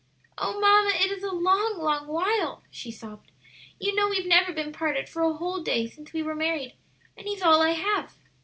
"O mamma, it is a long, long while!" she sobbed. "You know we've never been parted for a whole day since we were married, and he's all I have."